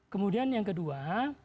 kemudian yang kedua